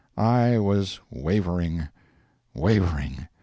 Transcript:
I was wavering—wavering.